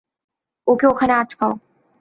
ওকে ওখানে আটকাও।